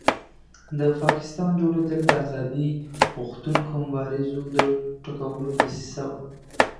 د پاکستان جوړېدل د آزادۍ غوښتونکو مبارزو د ټکولو دسیسه وه.